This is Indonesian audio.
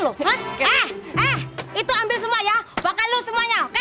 eh eh itu ambil semua ya makan lu semuanya oke